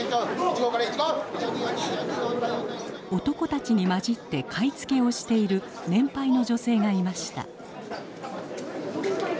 男たちに交じって買い付けをしている年配の女性がいました。